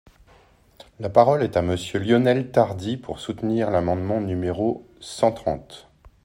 La parole est à Monsieur Lionel Tardy, pour soutenir l’amendement numéro cent trente.